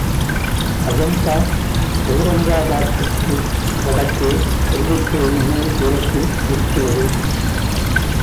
அஜந்தா அவுரங்காபாத்துக்கு வடக்கே அறுபத்தேழு மைல் தூரத்தில் இருக்கிறது.